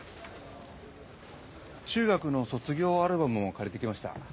中学の卒業アルバムを借りてきました。